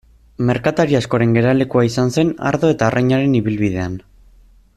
Merkatari askoren geralekua izan zen ardo eta arrainaren ibilbidean.